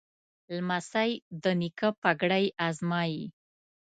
لمسی د نیکه پګړۍ ازمایي.